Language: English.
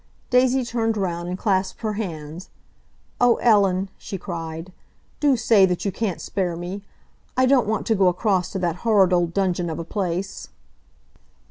Daisy turned round and clasped her hands. "Oh, Ellen!" she cried; "do say that you can't spare me! I don't want to go across to that horrid old dungeon of a place."